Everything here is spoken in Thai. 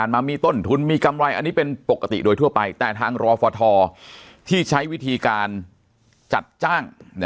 มามีต้นทุนมีกำไรอันนี้เป็นปกติโดยทั่วไปแต่ทางรอฟทที่ใช้วิธีการจัดจ้าง